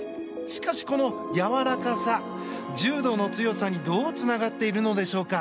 しかし、このやわらかさ柔道の強さにどうつながっているのでしょうか。